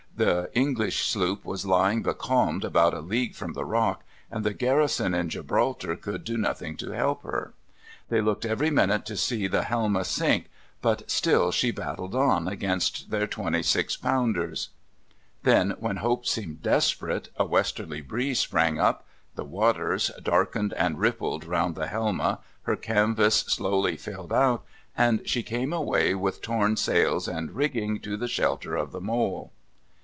The English sloop was lying becalmed about a league from the Rock, and the garrison in Gibraltar could do nothing to help her. They looked every minute to see the Helma sink, but still she battled on against their 26 pounders. Then, when hope seemed desperate, a westerly breeze sprang up; the waters darkened and rippled round the Helma, her canvas slowly filled out, and she came away with torn sails and rigging to the shelter of the Mole.